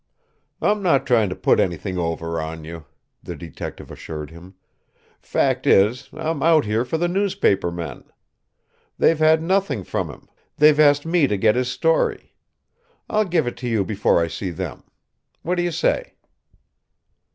"I'm not trying to put anything over on you," the detective assured him. "Fact is, I'm out here for the newspaper men. They've had nothing from him; they've asked me to get his story. I'll give it to you before I see them. What do you say?"